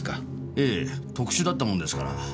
ええ特殊だったもんですから。